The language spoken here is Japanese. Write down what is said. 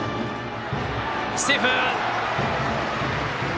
セーフ！